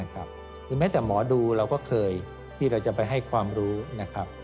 ถึงแม้แต่หมอดูเราก็เคยที่เราจะไปให้ความรู้นะครับ